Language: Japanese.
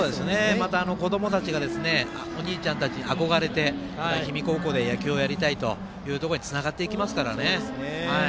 また、子どもたちがお兄ちゃんたちに憧れて氷見高校で野球をやりたいというところにつながっていきますからね。